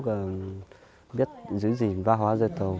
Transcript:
với lúc biết giữ gìn văn hóa dây tàu